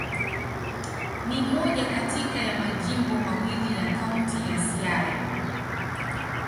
Ni moja kati ya majimbo mawili ya Kaunti ya Siaya.